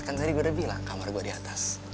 kan tadi gue udah bilang kamar gue di atas